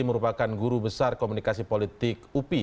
merupakan guru besar komunikasi politik upi